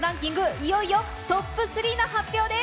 いよいよトップ３の発表です。